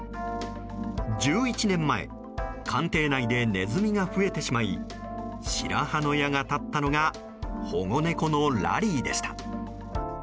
１１年前、官邸内でネズミが増えてしまい白羽の矢が立ったのが保護猫のラリーでした。